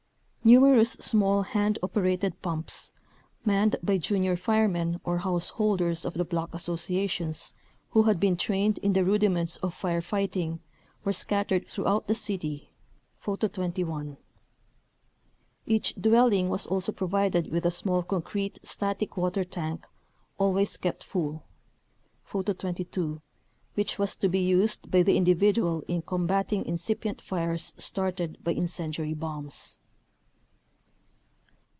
Numerous small hand operated pumps, manned by junior fire men or householders of the block associations who had been trained in the rudiments of fire fighting, were scattered throughout the city (Photo 21). Each dwelling was also provided with a small concrete static water tank, always kept full (Photo 22), which was to be used by the individual in combatting incipient fires started by incendiary bombs.